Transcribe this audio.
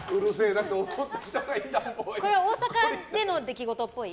大阪での出来事っぽい？